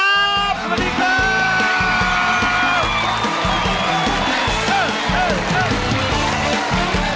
สวัสดีครับ